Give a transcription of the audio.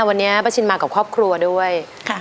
วันนี้ป้าชินมากับครอบครัวด้วย